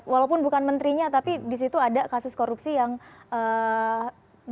walaupun bukan menterinya tapi disitu ada kasus korupsi yang menyebut nyebut gitu ya di dalam persidangan